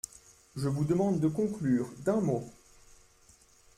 Je vous demande de conclure, d’un mot.